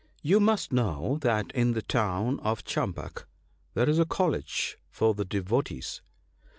* You must know that in the town of Champaka there is a college for the devotees.